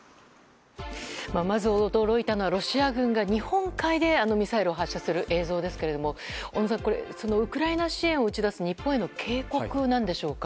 まず驚いたのはロシア軍が日本海であのミサイルを発射する映像ですけれども小野さん、ウクライナ支援を打ち出す日本への警告なんでしょうか。